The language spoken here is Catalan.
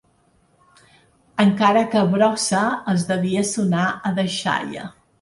Encara que Brossa els devia sonar a deixalla.